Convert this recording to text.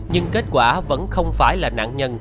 nhưng kết quả vẫn không phải là nạn nhân